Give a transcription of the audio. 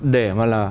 để mà là